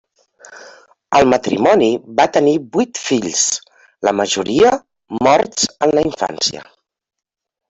El matrimoni va tenir vuit fills, la majoria morts en la infància.